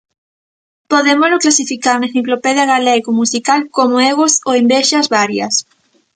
Podémolo clasificar na enciclopedia galaico musical como egos ou envexas varias.